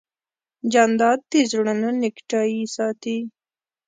جانداد د زړونو نېکتایي ساتي.